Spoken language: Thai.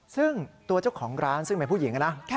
ซึ่งตัวเจ้าของร้านซึ่งเป็นผู้หญิงนะ